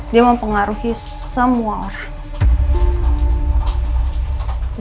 dia mau pengaruhi semua orang